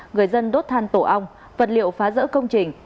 người dân đốt than tổ ong vật liệu phá rỡ công trình